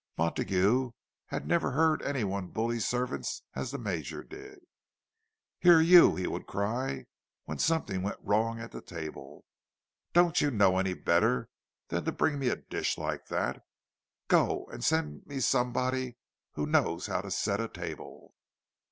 Montague had never heard anyone bully servants as the Major did. "Here you!" he would cry, when something went wrong at the table. "Don't you know any better than to bring me a dish like that? Go and send me somebody who knows how to set a table!"